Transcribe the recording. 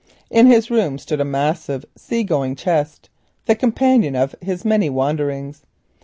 In his room stood a massive sea going chest, the companion of his many wanderings.